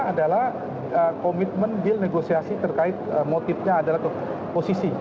adalah komitmen deal negosiasi terkait motifnya adalah ke posisi